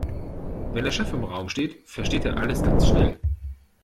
Wenn der Chef im Raum steht, versteht er alles ganz schnell.